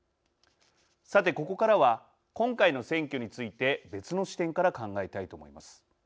さて、ここからは今回の選挙について別の視点から考えたいと思います。